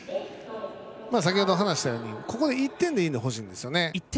先ほど話したようにここで１点でいいので欲しいんですよね。